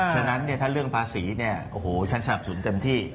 ฉะนั้นเนี่ยถ้าเรื่องภาษีเนี่ยโอ้โหฉันสนับสนุนเต็มที่